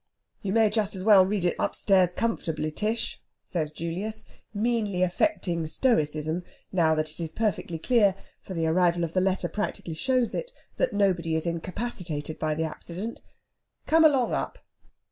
"You may just as well read it upstairs comfortably, Tish," says Julius, meanly affecting stoicism now that it is perfectly clear for the arrival of the letter practically shows it that nobody is incapacitated by the accident. "Come along up!"